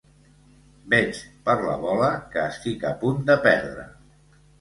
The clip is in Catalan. Veig, per la bola, que estic a punt de perdre.